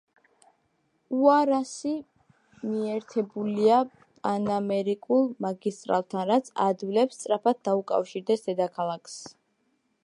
უარასი მიერთებულია პანამერიკულ მაგისტრალთან, რაც აადვილებს სწრაფად დაუკავშირდეს დედაქალაქს.